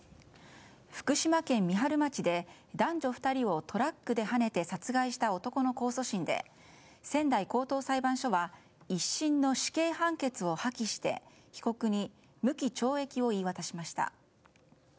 福島県三春町で男女２人をトラックではねて殺害した男の控訴審で仙台高等裁判所は１審の死刑判決を破棄して被告に無期懲役を言い渡しました。